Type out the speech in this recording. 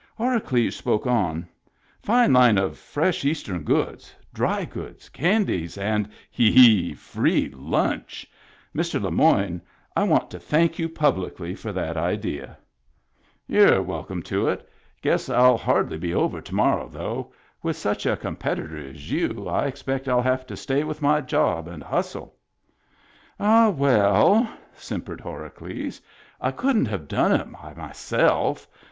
Horacles spoke on. " Fine line of fresh East em goods, dry goods, candies, and — hee hee !— free lunch. Mr. Le Moyne, I want to thank you publicly for that idea." Digitized by Google 52 MEMBERS OF THE FAMILY "Y'u're welcome to it. Guess 111 hardly be over to morrow, though. With such a compet itor as you, I expect 111 have to stay with my job and hustle." "Ah, well," simpered Horacles, "I couldn't have done it by myself.